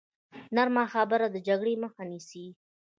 نرمه خبره د جګړې مخه نیسي.